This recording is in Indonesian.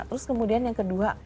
terus kemudian yang kedua